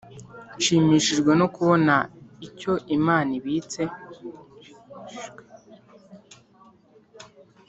nshimishijwe no kubona icyo imana ibitse